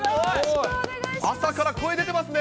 朝から声出てますね。